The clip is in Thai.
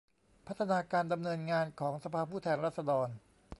พัฒนาการดำเนินงานของสภาผู้แทนราษฎร